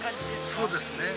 そうですね。